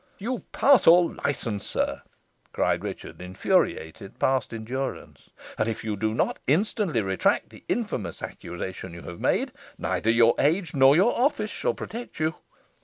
"You pass all licence, sir," cried Richard, infuriated past endurance; "and, if you do not instantly retract the infamous accusation you have made, neither your age nor your office shall protect you."